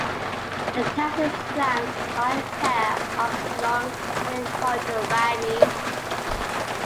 The telson is flanked by a pair of long, thin caudal rami.